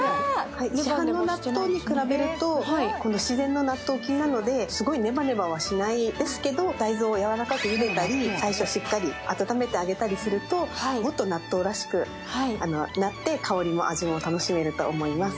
市販の納豆に比べると自然の納豆菌なのですごいネバネバはしないですけど、大豆をやわらかくゆでたり、最初しっかり温めてあげたりすると、もっと納豆らしくなって香りも味も楽しめると思います。